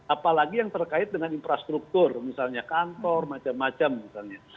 apalagi yang terkait dengan infrastruktur misalnya kantor macam macam misalnya